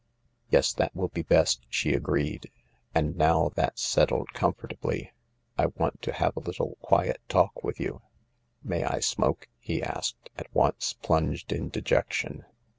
"Yes, that will be best," she agreed; "and now that's settled comfortably,I want to havealittle quiet talk with you." " May I smoke ?" he asked, at once plunged in dejec tion.